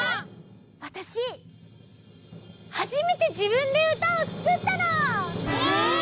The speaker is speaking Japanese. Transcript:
わたしはじめてじぶんでうたをつくったの！え！？